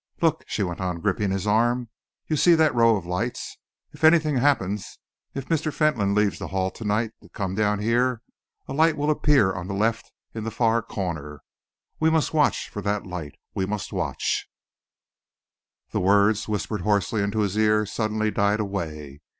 "Look!" she went on, gripping his arm. "You see that row of lights? If anything happens, if Mr. Fentolin leaves the Hall to night to come down here, a light will appear on the left in the far corner. We must watch for that light. We must watch " The words, whispered hoarsely into his ear, suddenly died away.